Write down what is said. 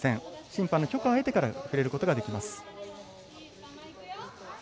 審判の許可を得てから触れることができます。